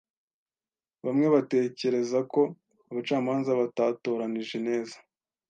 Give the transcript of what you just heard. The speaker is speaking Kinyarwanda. Bamwe batekerezaga ko abacamanza batatoranije neza.